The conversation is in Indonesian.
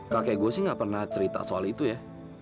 kakek gue sih gak pernah cerita soal itu ya